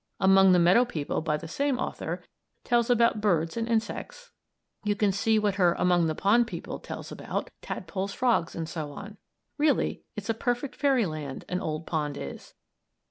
"Among the Meadow People," by the same author, tells about birds and insects. You can see what her "Among the Pond People" tells about tadpoles, frogs, and so on. Really, it's a perfect fairy land, an old pond is!